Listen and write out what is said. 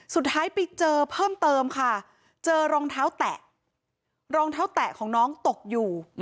สุดท้ายไปเจอเพิ่มเติมค่ะเจอรองเท้าแตะรองเท้าแตะของน้องตกอยู่